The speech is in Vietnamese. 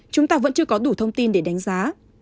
chúng ta vẫn chưa có đủ thông tin để đánh giá